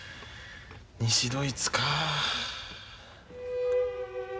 西ドイツか。